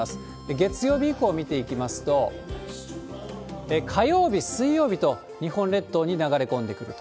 月曜日以降、見ていきますと、火曜日、水曜日と、日本列島に流れ込んでくると。